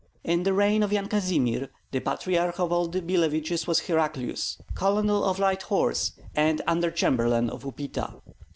In the reign of Yan Kazimir, the patriarch of all the Billeviches, was Heraclius, colonel of light horse and under chamberlain of Upita.